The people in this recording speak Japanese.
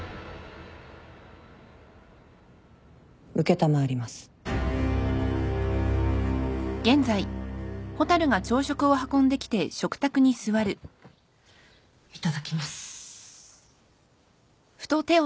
承りますいただきます。